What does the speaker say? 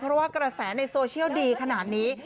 เพราะว่ากระแสในโซเชียลดีขนาดนี้